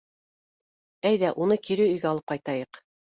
Әйҙә, уны кире өйгә алып ҡайтайыҡ.